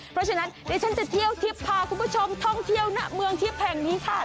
เพราะฉะนั้นเดี๋ยวฉันจะเที่ยวทิพย์พาคุณผู้ชมท่องเที่ยวณเมืองทิพย์แห่งนี้ค่ะ